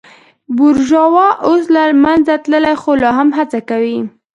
بورژوا اوس له منځه تللې خو لا هم هڅه کوي.